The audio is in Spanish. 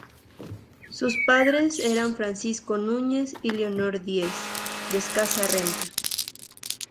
Sus padres eran Francisco Núñez y Leonor Díez, de escasa renta.